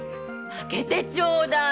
負けてちょうだい。